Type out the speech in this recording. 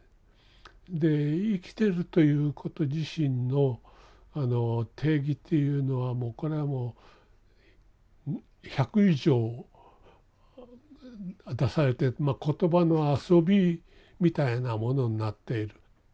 で生きてるということ自身の定義っていうのはこれはもう１００以上出されて言葉の遊びみたいなものになっている。